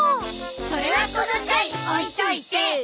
それはこの際置いといて！